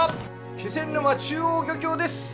気仙沼中央漁協です。